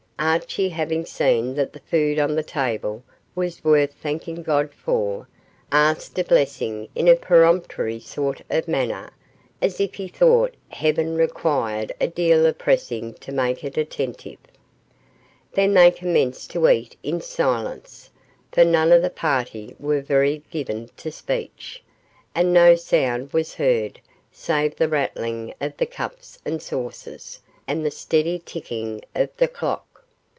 Archie, having seen that the food on the table was worth thanking God for, asked a blessing in a peremptory sort of manner, as if he thought Heaven required a deal of pressing to make it attentive. Then they commenced to eat in silence, for none of the party were very much given to speech, and no sound was heard save the rattling of the cups and saucers and the steady ticking of the clock.